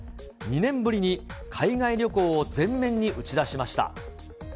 ２年ぶりに海外旅行を前面に打ち出しました。